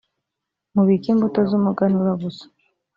mubike imbuto zumuganura gusa.